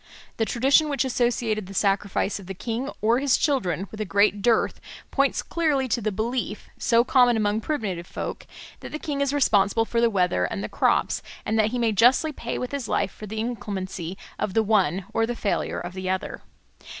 The tradition which associated the sacrifice of the king or his children with a great dearth points clearly to the belief, so common among primitive folk, that the king is responsible for the weather and the crops, and that he may justly pay with his life for the inclemency of the one or the failure of the other.